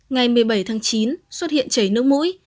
ngày một mươi bảy tháng chín xuất hiện chảy nước mũi